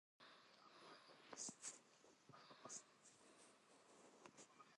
ژنان هەر فڵقوهۆڕیان بوو!